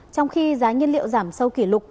trong khi giá nhiên liệu giảm sâu kỷ lục